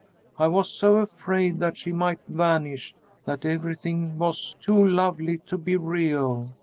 I was so afraid that she might vanish that everything was too lovely to be real.